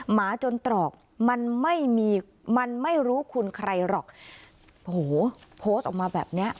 หมาจนตรอกมันไม่มีมันไม่รู้คุณใครหรอกโหโพสต์ออกมาแบบเนี้ย